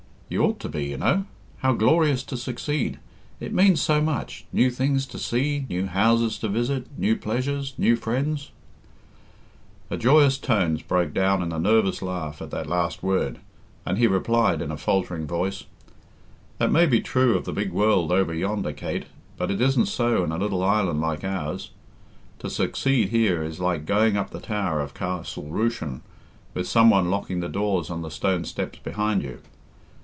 You ought to be, you know. How glorious to succeed? It means so much new things to see, new houses to visit, new pleasures, new friends " Her joyous tones broke down in a nervous laugh at that last word, and he replied, in a faltering voice, "That may be true of the big world over yonder, Kate, but it isn't so in a little island like ours. To succeed here is like going up the tower of Castle Rushen with some one locking the doors on the stone steps behind you.